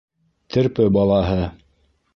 Терпе балаһы: